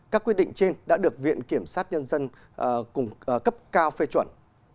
các quyết định trên đã được viện kiểm sát nhân dân cấp cao phê chuẩn